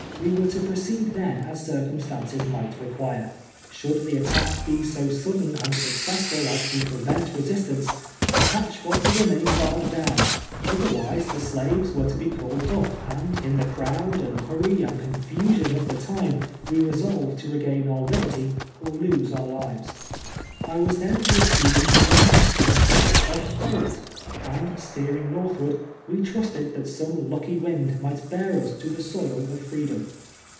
We were to proceed then as circumstances might rerpiire. Should the attack Ije so sudden and successful as to 2:)revent resistance, tlie hatch was to remain barred do^^^l ; otherwise the slaves were to be called up, and in the crowd, and hurry, and confusion of the time, we resolved to regain our liberty or lose our lives. I was then to assume the unaccustomed place of pilot, and, steering northward, we trusted that some lucky wind might bear us to the soil of tr eedom.